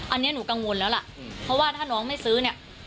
อันนี้หนูกังวลแล้วล่ะเพราะว่าถ้าน้องไม่ซื้อเนี่ย